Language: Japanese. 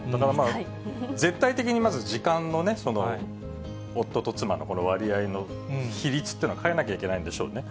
絶対的にまず時間のね、その夫と妻の割合の比率というのは変えなきゃいけないんでしょうね。